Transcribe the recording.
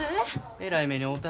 えらい目に遭うた。